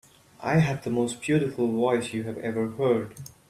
I have the most beautiful voice you have ever heard.